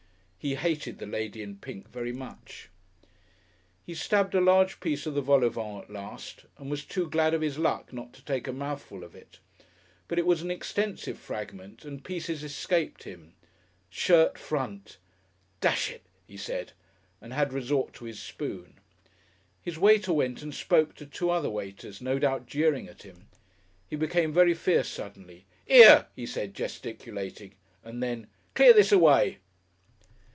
He hated the lady in pink very much. He stabbed a large piece of the vol au vent at last, and was too glad of his luck not to take a mouthful of it. But it was an extensive fragment, and pieces escaped him. Shirt front! "Desh it!" he said, and had resort to his spoon. His waiter went and spoke to two other waiters, no doubt jeering at him. He became very fierce suddenly. "Ere!" he said, gesticulating, and then, "clear this away!"